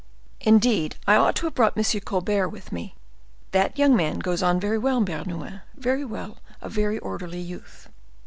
Indeed, I ought to have brought M. Colbert with me. That young man goes on very well, Bernouin, very well; a very orderly youth."